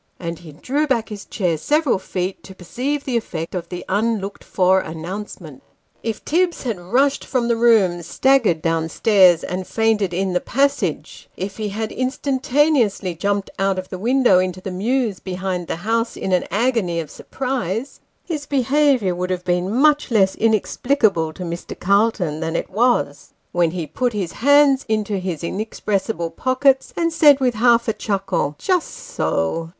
And he drew back his chair, several feet, to perceive the effect of the unlooked for announcement. If Tibbs had rushed from the room, staggered down stairs, and fainted in the passage if he had instantaneously jumped out of tho window into the mews behind the house, in an agony of surprise his behaviour would have been much less inexplicable to Mr. Calton than it was, when he put his hands into his inexpressible pockets, and said with a half chuckle, " Just so."